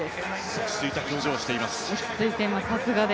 落ち着いた表情をしています。